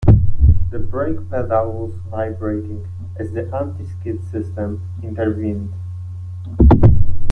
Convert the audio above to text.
The brake pedal was vibrating as the anti-skid system intervened.